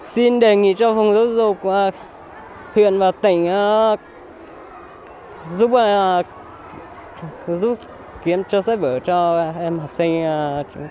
xin đề nghị cho phòng giáo dục huyện và tỉnh giúp kiếm sách giáo khoa cho các em học sinh trường